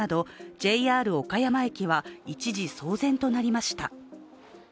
ＪＲ岡山駅は一時、騒然となりました。